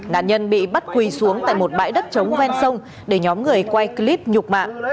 nạn nhân bị bắt quỳ xuống tại một bãi đất trống ven sông để nhóm người quay clip nhục mạng